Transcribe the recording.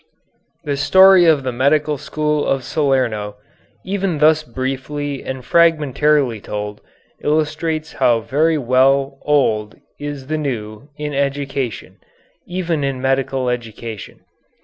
The story of the medical school of Salerno, even thus briefly and fragmentarily told, illustrates very well how old is the new in education, even in medical education.